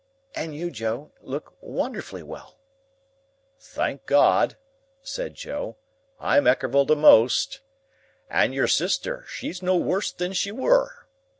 "And you, Joe, look wonderfully well." "Thank God," said Joe, "I'm ekerval to most. And your sister, she's no worse than she were.